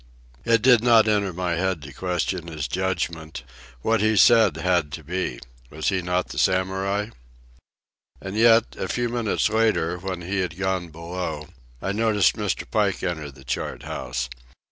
It did not enter my head to question his judgment. What he said had to be. Was he not the Samurai? And yet, a few minutes later, when he had gone below, I noticed Mr. Pike enter the chart house.